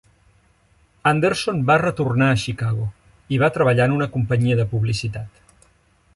Anderson va retornar a Chicago i va treballar en una companyia de publicitat.